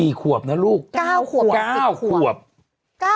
กี่ขวบเนี่ยลูก